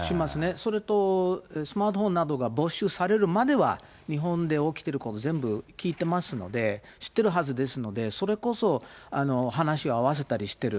それと、スマートフォンなどが没収されるまでは、日本で起きてること全部聞いてますので、知ってるはずですので、それこそ話を合わせたりしてる。